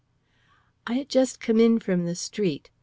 I had just come in from the street.